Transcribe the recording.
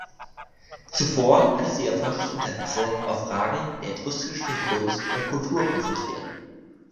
Zuvor hatte sie ihr Forschungsinteresse auf Fragen der etruskischen Kunst und Kultur konzentriert.